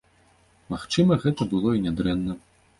Магчыма, гэта было і нядрэнна.